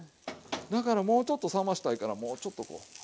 だからもうちょっと冷ましたいからもうちょっとこう。